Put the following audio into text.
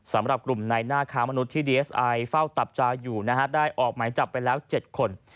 สำหรับกลุ่มในหน้าค้ามนุษย์ที่ดีเอสไอเฝ้าตับจาอยู่นะฮะได้ออกหมายจับไปแล้ว๗คน